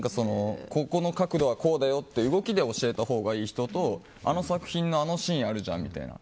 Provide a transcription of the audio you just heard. ここの角度はこうだよって動きで教えたほうがいい人とあの作品のあのシーンあるじゃんみたいな。